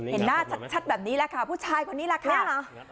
เห็นหน้าชัดแบบนี้แหละค่ะผู้ชายคนนี้แหละค่ะ